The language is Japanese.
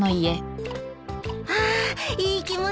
あいい気持ちよ。